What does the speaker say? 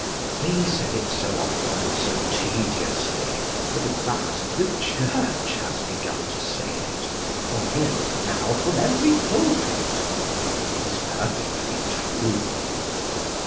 They said it so often and so tediously that, at last, the Church has begun to say it. One hears it now from every pulpit. It is perfectly true.